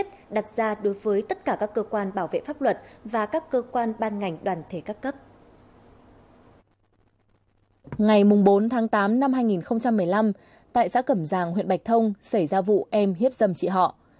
ngày bốn tháng tám năm hai nghìn một mươi năm tại xã cẩm giàng huyện bạch thông xảy ra vụ em hiếp dâm chị họ